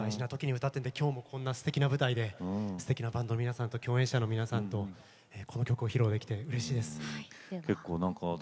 きょうもこんなすてきな舞台ですてきなバンドの皆さんと共演者の皆さんとこの曲を披露できてうれしいです。